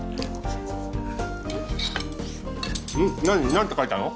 何て書いたの？